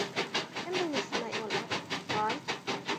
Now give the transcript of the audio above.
كَمْ بَيْنَ السَّمَاءِ وَالْأَرْضِ ؟ قَالَ